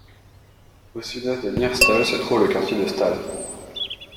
Au sud-est de Neerstalle se trouve le quartier de Stalle.